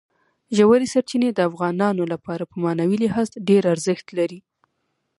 ژورې سرچینې د افغانانو لپاره په معنوي لحاظ ډېر زیات ارزښت لري.